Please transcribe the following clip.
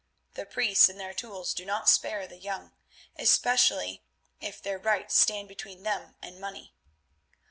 The priests and their tools do not spare the young, especially if their rights stand between them and money.